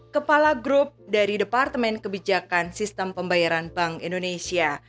kepala grup dari departemen kebijakan sistem pembayaran bank indonesia